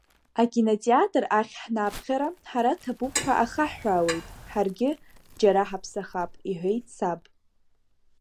Акинотеатр ахь ҳнаԥхьара, ҳара ҭабуп ҳәа ахаҳҳәаауеит, ҳаргьы џьара ҳаԥсахап, — иҳәеит саб.